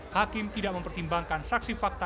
hakim tidak mempertimbangkan saksi fakta